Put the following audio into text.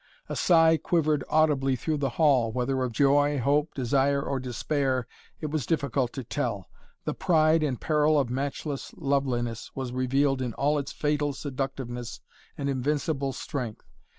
A sigh quivered audibly through the hall, whether of joy, hope, desire or despair it was difficult to tell. The pride and peril of matchless loveliness was revealed in all its fatal seductiveness and invincible strength.